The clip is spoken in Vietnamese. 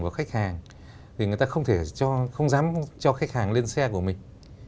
và khách hàng thì người ta không thể không dám cho khách hàng lên xe của mình